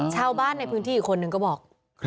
ชาวบ้านในพื้นที่อีกคนนึงก็บอก